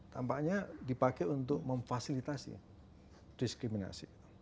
tampaknya dipakai untuk memfasilitasi diskriminasi